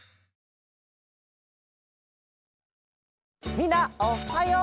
みんなおっはよう！